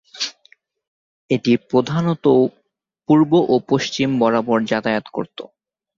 এটি প্রধানত পূর্ব ও পশ্চিম বরাবর যাতায়াত করত।